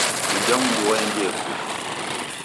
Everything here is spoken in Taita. Uja mndu waendie kula.